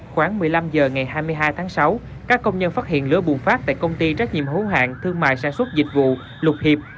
khoảng một mươi năm h ngày hai mươi hai tháng sáu các công nhân phát hiện lửa bùng phát tại công ty trách nhiệm hữu hạng thương mại sản xuất dịch vụ lục hiệp